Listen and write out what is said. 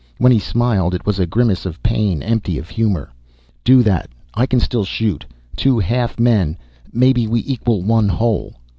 When he smiled it was a grimace of pain, empty of humor. "Do that. I can still shoot. Two half men maybe we equal one whole."